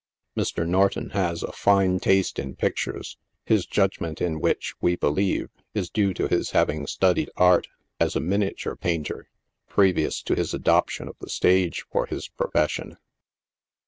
Mr. Norton has a fine taste in pictures, his judgment in which, we believe, is due to his having studied art, as a miniature painter, pre vious to his adoption of the stage for his profession.